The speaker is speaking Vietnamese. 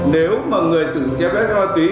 nếu mà người sử dụng che phép ma túy